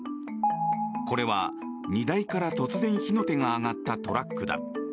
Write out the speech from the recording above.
これは荷台から突然火の手が上がったトラックだ。